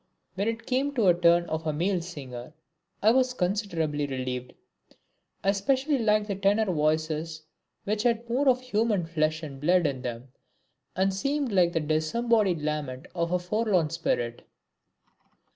When it came to the turn of a male singer I was considerably relieved. I specially liked the tenor voices which had more of human flesh and blood in them, and seemed less like the disembodied lament of a forlorn spirit.